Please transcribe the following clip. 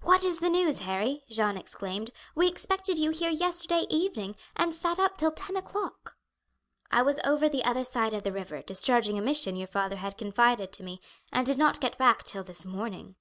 "What is the news, Harry?" Jeanne exclaimed. "We expected you here yesterday evening, and sat up till ten o'clock." "I was over the other side of the river discharging a mission your father had confided to me, and did not get back till this morning."